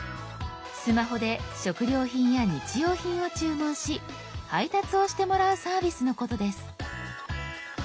スマホで食料品や日用品を注文し配達をしてもらうサービスのことです。